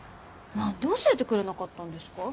何で教えてくれなかったんですか？